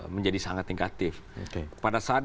menjadi sangat negatif pada saat